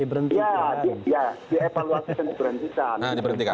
dievaluasi dan diberhentikan